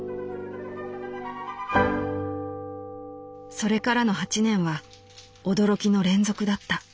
「それからの八年は驚きの連続だった。